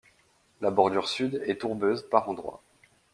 La bordure sud est tourbeuse par endroits.